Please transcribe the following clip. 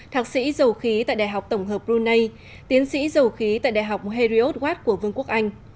thạc sĩ dầu khí tại đại học tổng hợp brunei tiến sĩ dầu khí tại đại học heriot watt của vương quốc anh